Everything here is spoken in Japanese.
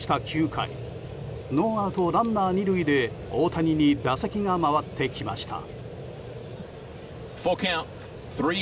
９回ノーアウトランナー２塁で大谷に打席が回ってきました。